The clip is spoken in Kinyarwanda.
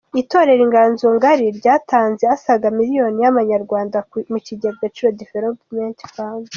Itorero Inganzo ngari ryatanze asaga miliyoni y'amanyarwanda mu kigega Agaciro Development Fund.